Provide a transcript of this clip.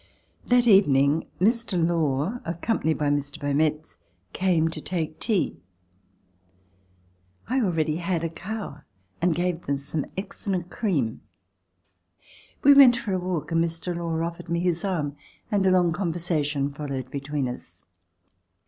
That evening Mr. Law, accompanied by Mr. Beau metz, came to take tea. I already had a cow and gave them some excellent cream. We went for a walk, and Mr. Law offered me his arm and a long conversation followed between us.